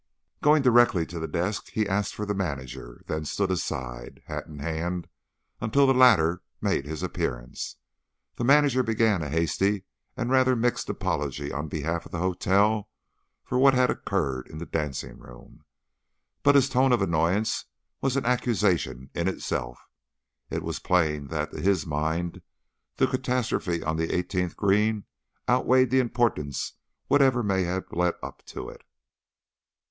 Going directly to the desk, he asked for the manager, then stood aside, hat in hand, until the latter made his appearance. The manager began a hasty and rather mixed apology on behalf of the hotel for what had occurred in the dancing room, but his tone of annoyance was an accusation in itself. It was plain that, to his mind, the catastrophe on the eighteenth green outweighed in importance whatever may have led up to it.